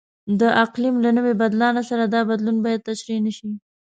د اقلیم له نوي بدلانه سره دا بدلون باید تشریح نشي.